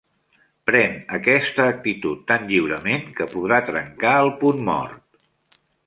Pren aquesta actitud tan lliurement que podrà trencar el punt mort.